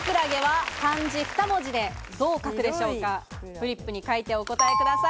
フリップに書いてお答えください。